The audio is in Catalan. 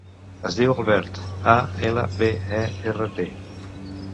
Es diu Albert: a, ela, be, e, erra, te.